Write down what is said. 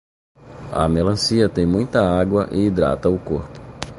A melancia tem muita água e hidrata o corpo.